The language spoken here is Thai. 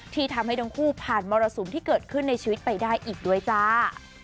ที่ทำให้ทั้งคู่ผ่านมรสุมที่เกิดขึ้นในชีวิตไปได้อีกด้วยจ้า